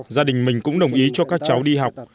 gia đình mình cũng đồng ý cho các cháu đi học